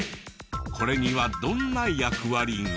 これにはどんな役割が？